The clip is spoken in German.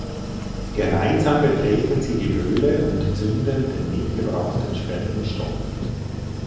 Gemeinsam betreten sie die Höhle und zünden den mitgebrachten Sprengstoff.